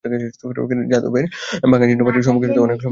যাদবের ভাঙা জীর্ণ বাড়ির সম্মুখে অনেক লোক জমিয়াছে।